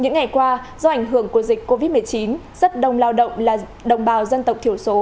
những ngày qua do ảnh hưởng của dịch covid một mươi chín rất đông lao động là đồng bào dân tộc thiểu số